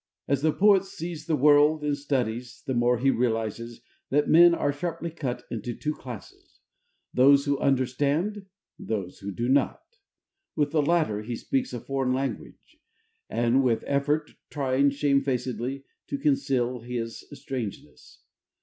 As the poet sees the world, and studies, the more he realizes that men are sharply cut in two classes: those who understand, those who do not. With the latter he speaks a foreign language and with effort, trying shamefacedly to conceal his strangeness.